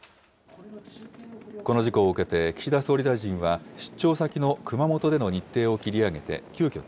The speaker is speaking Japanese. この事故を受けて岸田総理大臣は出張先の熊本での日程を切り上げて急きょ